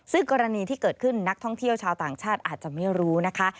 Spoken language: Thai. ซึ่งกรณีที่เกิดขึ้นนักท่องเที่ยวชาวต่างชาติอาจจะไม่รู้นะคะ